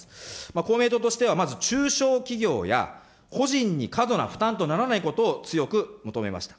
公明党としては、まず中小企業や個人に過度な負担とならないことを強く求めました。